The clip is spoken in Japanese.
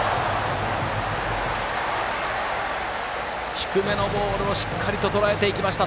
低めのボールをしっかりととらえていきました。